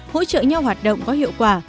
hỗ trợ nhau hoạt động có hiệu quả